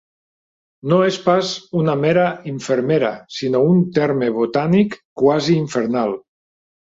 No és pas una mera infermera sinó un terme botànic quasi infernal.